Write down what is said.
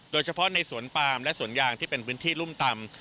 โดยเฉพาะในสวนปามและสวนยางที่เป็นพื้นที่รุ่มต่ำ